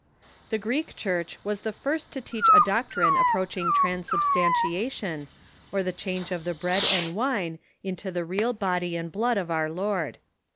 The Greek Church was the first to teach a doctrine approach ing transubstantiation, or the change of the bread and wine into the real body and blood of our Lord.